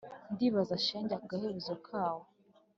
Ndibaza shenge agahebuzo kawo